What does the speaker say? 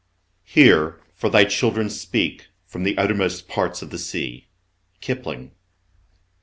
"Hear, for thy children speak, from the uttermost parts of the sea." KIPLING.